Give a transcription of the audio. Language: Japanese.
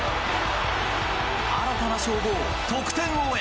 新たな称号、得点王へ。